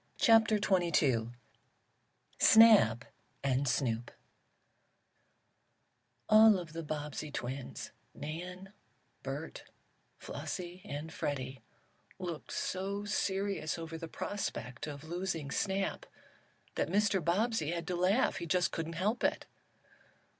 CHAPTER XXII SNAP AND SNOOP ALL of the Bobbsey twins Nan, Bert, Flossie and Freddie looked so serious over the prospect of losing Snap that Mr. Bobbsey had to laugh. He just couldn't help it.